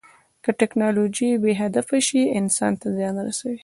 که ټیکنالوژي بې هدفه شي، انسان ته زیان رسوي.